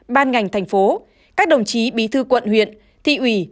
ban ngành thành phố các đồng chí bí thư quận huyện thị ủy